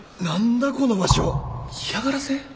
何だこの場所嫌がらせ？